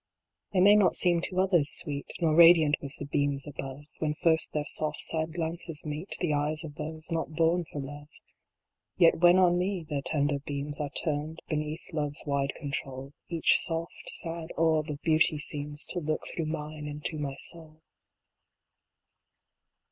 They may not seem to others sweet, Nor radiant with the beams above, When first their soft, sad glances meet The eyes of those not born for love ; Yet when on me their tender beams Are turned, beneath love s wide control, Each soft, sad orb of beauty seems To look through mine into my soul.